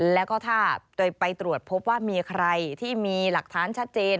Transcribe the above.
แล้วก็ถ้าไปตรวจพบว่ามีใครที่มีหลักฐานชัดเจน